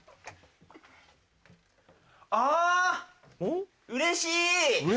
うれしい？